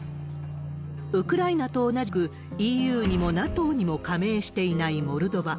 ウクライナと同じく、ＥＵにもＮＡＴＯにも加盟していないモルドバ。